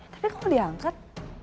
tapi kamu diangkat